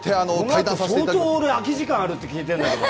相当空き時間あるって聞いてるんだけど。